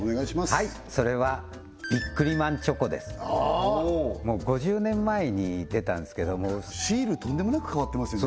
はいそれはああっもう５０年前に出たんですけどシールとんでもなく変わってますよね